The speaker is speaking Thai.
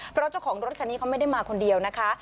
เพราะเจ้าของรถคันนี้เขาไม่ได้มาคนเดียวนะคะ